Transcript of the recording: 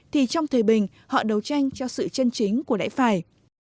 thì trong thời bình họ đấu tranh cho sự chân chính của lẽ phải